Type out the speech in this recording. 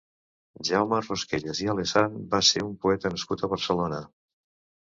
Jaume Rosquellas i Alessan va ser un poeta nascut a Barcelona.